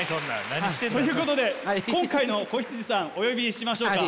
何してんの？ということで今回の子羊さんお呼びしましょうか。